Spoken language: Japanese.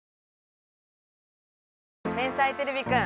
天才てれびくん！